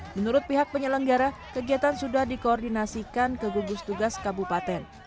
menurut pihak penyelenggara kegiatan sudah dikoordinasikan ke gugus tugas kabupaten